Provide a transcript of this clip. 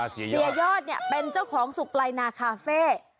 เสียยอดเนี่ยเป็นเจ้าของสุกปลายนาคาเฟ่